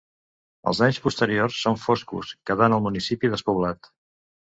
Els anys posteriors són foscos, quedant el municipi despoblat.